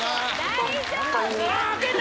大丈夫！